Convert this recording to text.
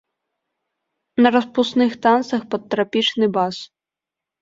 На распусных танцах пад трапічны бас.